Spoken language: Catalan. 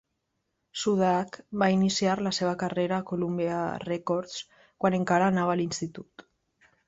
Sudack va iniciar la seva carrera a Columbia Records quan encara anava a l'institut.